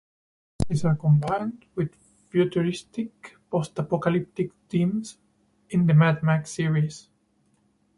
These are combined with futuristic post-apocalyptic themes in the Mad Max series.